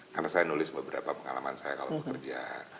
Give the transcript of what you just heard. karena saya nulis beberapa pengalaman saya kalau bekerja